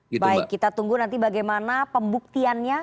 baik kita tunggu nanti bagaimana pembuktiannya